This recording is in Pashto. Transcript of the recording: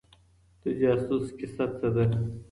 د جاسوس کيسه څه ده؟